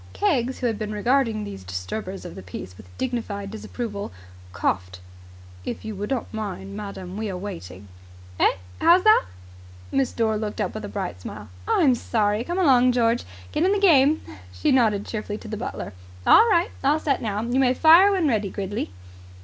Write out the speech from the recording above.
Keggs, who had been regarding these disturbers of the peace with dignified disapproval, coughed. "If you would not mind, madam. We are waiting." "Eh? How's that?" Miss Dore looked up with a bright smile. "I'm sorry. Come along, George. Get in the game." She nodded cheerfully to the butler. "All right. All set now. You may fire when ready, Gridley."